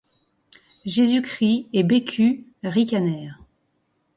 Jésus-Christ et Bécu ricanèrent.